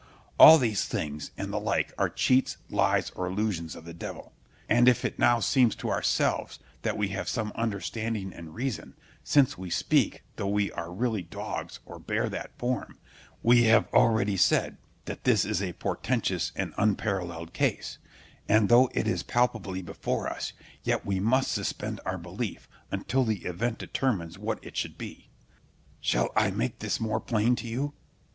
All these things, and the like, are cheats, lies, or illusions of the devil; and if it now seems to ourselves that we have some understanding and reason—since we speak, though we are really dogs or bear that form—we have already said that this is a portentous and unparalleled case; and though it is palpably before us, yet we must suspend our belief until the event determines what it should be. Shall I make this more plain to you?